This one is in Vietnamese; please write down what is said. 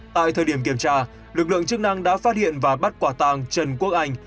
tại thời điểm kiểm tra lực lượng chức năng đã phát hiện và bắt quả tàng trần quốc anh